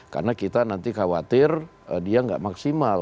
karena kita nanti khawatir dia nggak maksimal